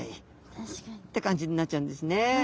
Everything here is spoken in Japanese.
確かに。って感じになっちゃうんですね。